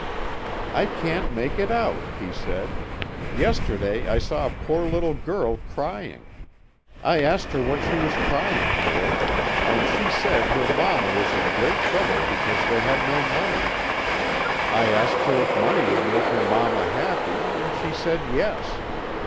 "'I can't make it out,' he said. 'Yesterday, I saw a poor little girl crying. I asked her what she was crying for, and she said her mamma was in great trouble because they had no money. I asked her if money would make her mamma happy, and she said yes.